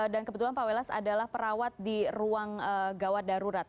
dan kebetulan pak welas adalah perawat di ruang gawat darurat